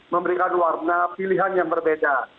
memberikan warna pilihan yang berbeda